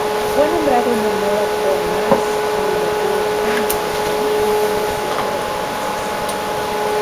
Fue nombrado en honor a Thomas Willoughby Newton, un congresista de Arkansas.